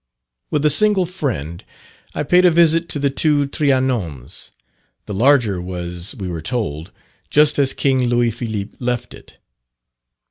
With a single friend I paid a visit to the two Trianons. The larger was, we were told, just as king Louis Philippe left it.